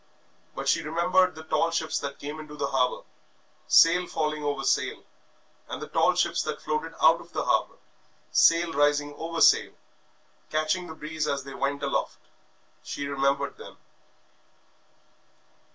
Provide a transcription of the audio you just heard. But she remembered the tall ships that came into the harbour, sail falling over sail, and the tall ships that floated out of the harbour, sail rising over sail, catching the breeze as they went aloft she remembered them.